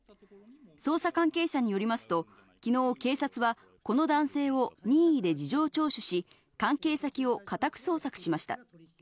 捜査関係者によりますと、昨日、警察はこの男性を任意で事情聴取し、関係先を家宅捜索しました。